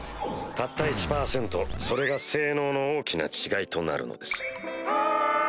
たった１％それが性能の大きな違いとなるのです。